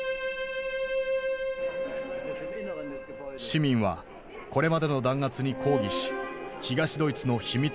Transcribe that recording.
市民はこれまでの弾圧に抗議し東ドイツの秘密